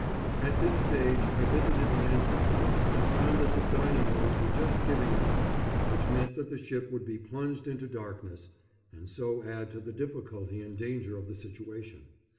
At this stage I visited the engine room and found that the dynamos were just giving out, which meant that the ship would be plunged into darkness, and so add to the difficulty and danger of the situation.